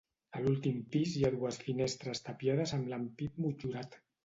A l'últim pis hi ha dues finestres tapiades amb l'ampit motllurat.